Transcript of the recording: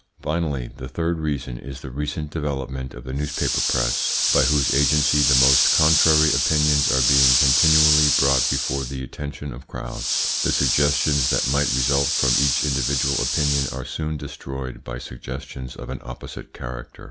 Finally, the third reason is the recent development of the newspaper press, by whose agency the most contrary opinions are being continually brought before the attention of crowds. The suggestions that might result from each individual opinion are soon destroyed by suggestions of an opposite character.